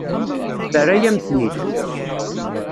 Terra-yam-ten-id.